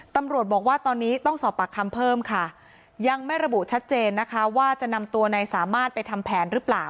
ตำรวจบอกว่าตอนนี้ต้องสอบปากคำเพิ่มค่ะยังไม่ระบุชัดเจนนะคะว่าจะนำตัวนายสามารถไปทำแผนหรือเปล่า